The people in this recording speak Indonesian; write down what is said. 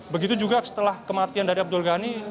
begitu juga setelah kematian dari abdul ghani